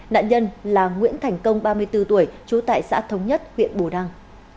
nạn nhân là nguyễn thành công ba mươi bốn tuổi trú tại xã thống nhất huyện bù đăng